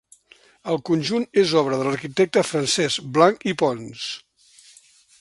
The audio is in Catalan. El conjunt és obra de l'arquitecte Francesc Blanch i Pons.